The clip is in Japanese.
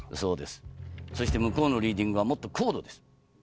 そして向こうのリーディングはもっと高度です。